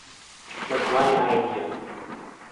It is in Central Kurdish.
بە زمانی عەرەبییە